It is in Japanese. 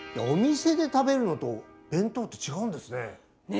お店で食べるのと弁当って違うんですね。